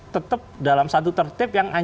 tetap dalam satu tertib yang ancaman